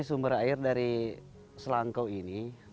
sumber air dari selangkau ini